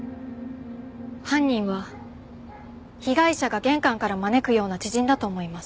犯人は被害者が玄関から招くような知人だと思います。